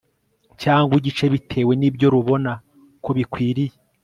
cyangwa igice bitewe n ibyo rubona ko bikwiriye